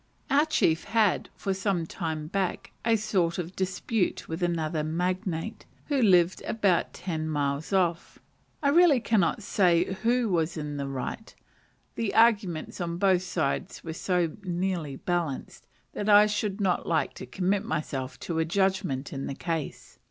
Our chief had, for some time back, a sort of dispute with another magnate, who lived about ten miles off. I really cannot say who was in the right: the arguments on both sides were so nearly balanced, that I should not like to commit myself to a judgment in the case.